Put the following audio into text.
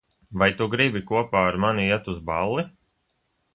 Vai tu gribi kopā ar mani iet uz balli?